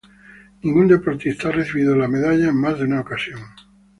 Ningún deportista ha recibido la medalla en más de una ocasión.